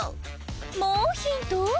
もうヒント！？